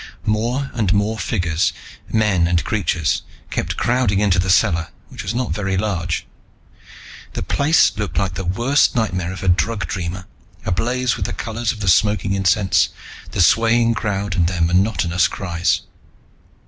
More and more figures, men and creatures, kept crowding into the cellar, which was not very large. The place looked like the worst nightmare of a drug dreamer, ablaze with the colors of the smoking incense, the swaying crowd, and their monotonous cries.